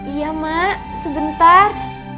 iya mak sebentar